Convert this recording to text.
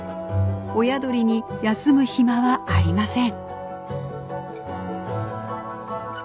親鳥に休む暇はありません。